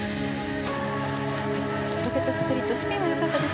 ロケットスプリットスピンは良かったです。